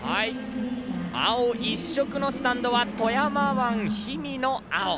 青一色のスタンドは富山湾、氷見の青。